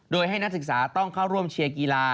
โดยให้นักศึกษาต้องเข้าร่วมเชียร์กีฬา